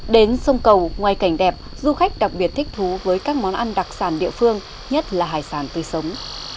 đến sông cầu ngoài cảnh đẹp du khách đặc biệt thích thú với các món ăn đặc sản địa phương nhất là hải sản tươi sống